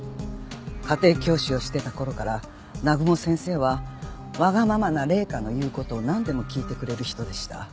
家庭教師をしてた頃から南雲先生はわがままな麗華の言う事をなんでも聞いてくれる人でした。